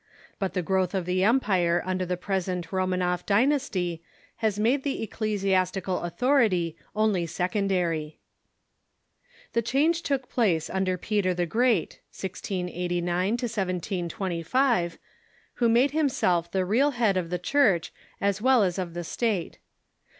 But the growth of the empire under the present Romanoff dynasty has made the ecclesiastical authority only secondary. The change took place under Peter the Gi eat — 1689 1725 — who made himself the real head of the Church as well as of the State.